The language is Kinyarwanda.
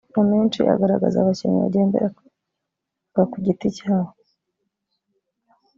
amenshi agaragaza abakinnyi bagendaga ku giti cyabo